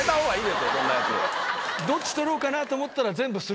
どっち捕ろうかなと思ったら。